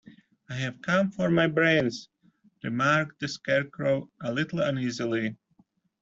"I have come for my brains," remarked the Scarecrow, a little uneasily.